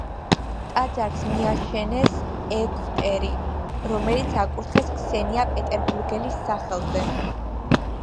ტაძარს მიაშენეს ეგვტერი, რომელიც აკურთხეს ქსენია პეტერბურგელის სახელზე.